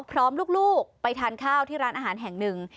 ลูกไปทานข้าวที่ร้านอาหารแห่งหนึ่ง